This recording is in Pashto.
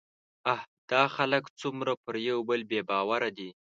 اه! دا خلک څومره پر يوبل بې باوره دي